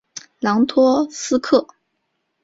朗托斯克。